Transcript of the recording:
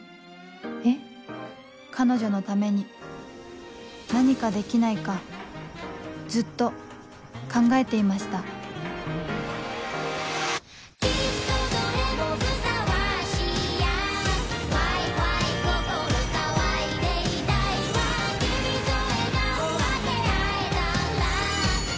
え彼女のために何かできないかずっと考えていましたすいません。